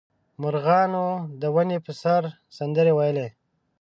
مرغانو د ونې په سر سندرې ویلې.